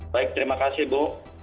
baik terima kasih bu